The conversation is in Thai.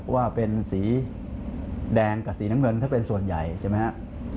ว่าเป็นสีแดงกับสีน้ำเงินถ้าเป็นส่วนใหญ่ใช่ไหมครับ